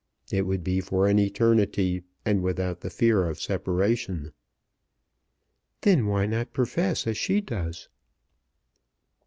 It would be for an eternity, and without the fear of separation." "Then why not profess as she does?"